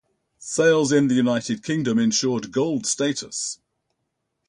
Sales in the United Kingdom ensured Gold status.